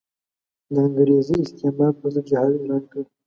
د انګریزي استعمار پر ضد جهاد اعلان کړ.